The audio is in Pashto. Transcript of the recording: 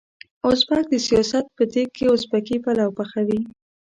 ازبک د سياست په دېګ کې ازبکي پلو پخوي.